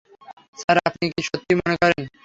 Sir, আপনি কি সত্যিই মনে করেন?